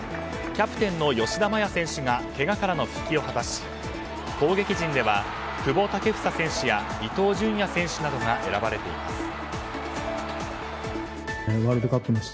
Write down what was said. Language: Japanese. キャプテンの吉田麻也選手がけがからの復帰を果たし攻撃陣では久保建英選手や伊東純也選手などが選ばれています。